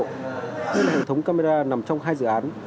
những hệ thống camera nằm trong hai dự án